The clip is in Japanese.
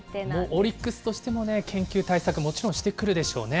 オリックスとしても研究対策、もちろんしてくるでしょうね。